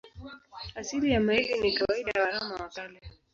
Asili ya maili ni kawaida ya Waroma wa Kale.